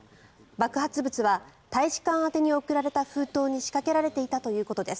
爆発物は大使館宛てに送られた封筒に仕掛けられていたということです。